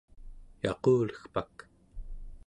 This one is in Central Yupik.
yaqulegpak